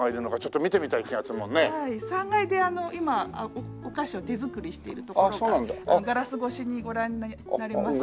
３階で今お菓子を手作りしているところがガラス越しにご覧になれます。